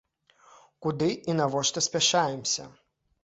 Куды і навошта спяшаемся?!